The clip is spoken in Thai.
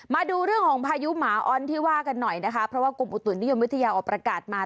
มาดูเรื่องของพายุหมาอ้อนที่ว่ากันหน่อยนะคะเพราะว่ากรมอุตุนิยมวิทยาออกประกาศมา